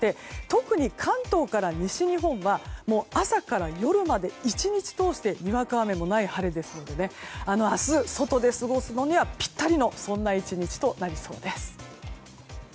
特に関東から西日本は朝から夜まで１日通してにわか雨のない晴れですので明日、外で過ごすのにはぴったりの１日となりそうです。